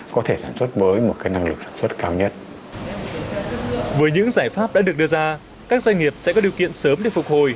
các doanh nghiệp sẽ có điều kiện sớm để phục hồi